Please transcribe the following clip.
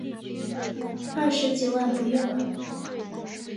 二十几万不用了